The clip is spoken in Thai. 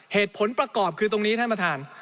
เหตุผลประกอบคือตรงนี้ท่านประธาน